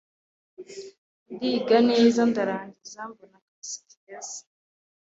Ndiga neza ndarangiza mbona akazi keza,